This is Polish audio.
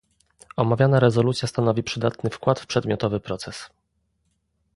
Omawiana rezolucja stanowi przydatny wkład w przedmiotowy proces